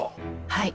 はい。